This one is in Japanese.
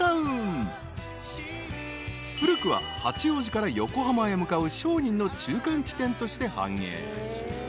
［古くは八王子から横浜へ向かう商人の中間地点として繁栄］